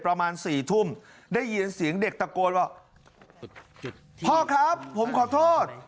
ประมาณสี่ทุ่มได้ยินเสียงเด็กตะโกนว่าพ่อครับผมขอโทษ